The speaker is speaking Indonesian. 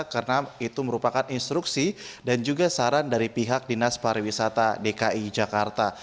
karena itu merupakan instruksi dan juga saran dari pihak dinas pariwisata dki jakarta